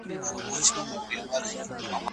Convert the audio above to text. هرې ډلې باید د اړیکو د ښه کولو په لټه کې وي.